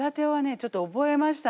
ちょっと覚えましたんでね